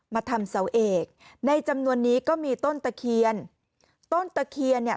มาทำเสาเอกในจำนวนนี้ก็มีต้นตะเคียนต้นตะเคียนเนี่ย